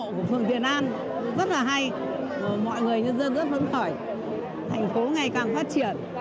thành phố việt nam rất là hay mọi người nhân dân rất vững khỏe thành phố ngày càng phát triển